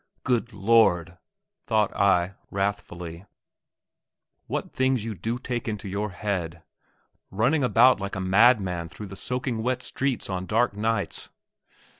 "Good Lord!" thought I, wrathfully, "what things you do take into your head: running about like a madman through the soaking wet streets on dark nights."